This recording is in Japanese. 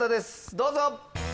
どうぞ！